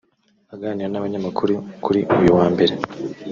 Aganira n’abanyamakuru kuri uyu wa Mbere